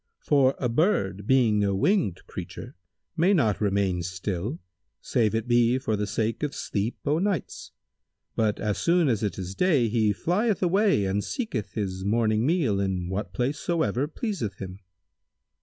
For a bird, being a winged creature, may not remain still, save it be for the sake of sleep o' nights; but, as soon as it is day, he flieth away and seeketh his morning meal in what place soever pleaseth him."